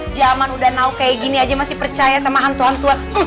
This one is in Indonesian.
zaman udah nau kayak gini aja masih percaya sama hantu antuan